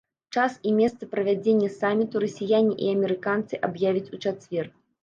Час і месца правядзення саміту расіяне і амерыканцы аб'явяць у чацвер.